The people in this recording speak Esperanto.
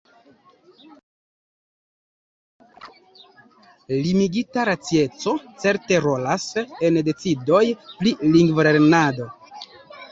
Limigita racieco certe rolas en decidoj pri lingvolernado!